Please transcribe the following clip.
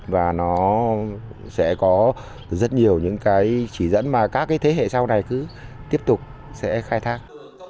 và nó sẽ có rất nhiều những cái chỉ dẫn mà các cái thế hệ sau này cứ tiếp tục sẽ khai thác